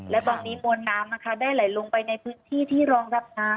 และตอนนี้มวลน้ำนะคะได้ไหลลงไปในพื้นที่ที่รองรับน้ำ